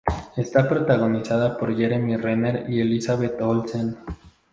Está protagonizada por Jeremy Renner y Elizabeth Olsen.